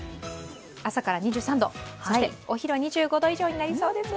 朝から２３度、そしてお昼は２５度以上になりそうです。